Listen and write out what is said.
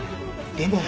でも。